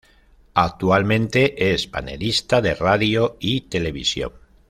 Actualmente es panelista de radio y televisión.